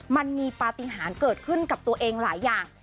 มันมีประติหารเกิดขึ้นตัวเองกับถืออะไรหลายอย่าง